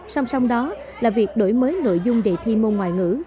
song song đó là việc đổi mới nội dung đề thi môn ngoại ngữ